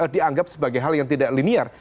dianggap sebagai hal yang tidak linear